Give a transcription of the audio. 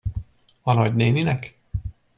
A nagynéninek?